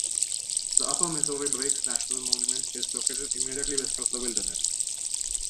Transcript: The Upper Missouri Breaks National Monument is located immediately west of the wilderness.